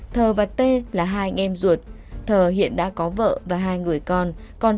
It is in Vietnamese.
thờ và t là hai anh em ruột thờ hiện đã có vợ và hai người con